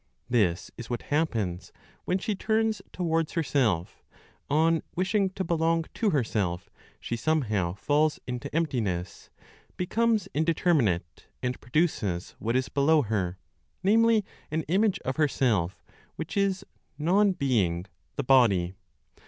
This is what happens when she turns towards herself; on wishing to belong to herself, she somehow falls into emptiness, becomes indeterminate, and produces what is below her, namely, an image of herself which is non being (the body).